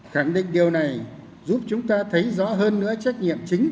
khẳng định điều này giúp chúng ta thấy rõ hơn nữa trách nhiệm chính